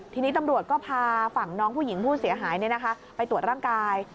ทีนี้ตำรวจก็พาฝั่งน้องผู้หญิงผู้เสียหายไปตรวจร่างกาย